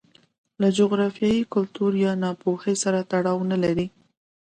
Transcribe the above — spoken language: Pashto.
له جغرافیې، کلتور یا ناپوهۍ سره تړاو نه لري.